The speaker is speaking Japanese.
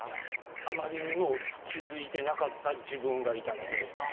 あまりにも気付いてなかった自分がいたので。